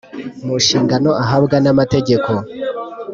mu nshingano ahabwa n’amategeko.